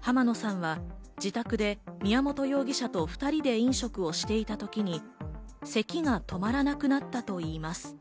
浜野さんは自宅で宮本容疑者と２人で飲食をしていた時に咳が止まらなくなったといいます。